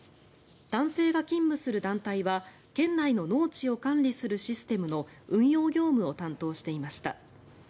男性が勤務する団体は県内の農地を管理するシステムの運用業務を担当していました。